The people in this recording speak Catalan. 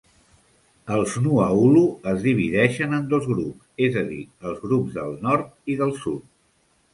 Els Nuaulu es divideixen en dos grups, és a dir, els grups del Nord i del Sud.